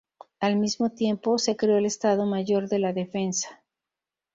Al mismo tiempo, se creó el Estado Mayor de la Defensa.